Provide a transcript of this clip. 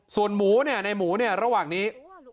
ส่วนหมูในหมูเนี่ยระหว่างนี้